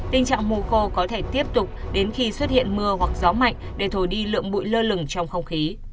tình trạng mù khô có thể tiếp tục đến khi xuất hiện mưa hoặc gió mạnh để thổi đi lượng bụi lơ lửng trong không khí